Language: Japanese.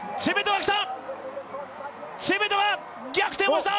おおっチェベトが逆転をした！